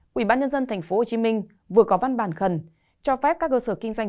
quỹ bán nhân dân thành phố hồ chí minh vừa có văn bản khẩn cho phép các cơ sở kinh doanh